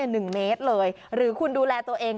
หนึ่งเมตรเลยหรือคุณดูแลตัวเอง